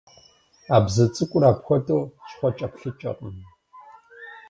А бзу цӀыкӀур апхуэдэу щхъуэкӀэплъыкӀэкъым.